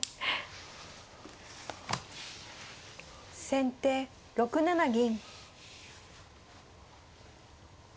先手６七銀。